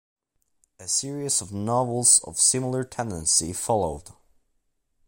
A series of novels of similar tendency followed.